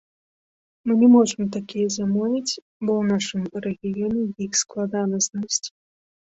Мы не можам такія замовіць, бо ў нашым рэгіёне іх складана знайсці.